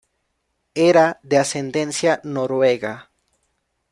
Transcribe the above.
Era de ascendencia noruega.